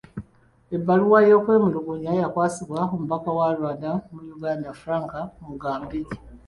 Ebbaluwa y'okwemulugunya yakwasiddwa omubaka wa Rwanda mu Uganda, Frank Mugambage.